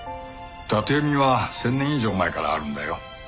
縦読みは１０００年以上前からあるんだよ。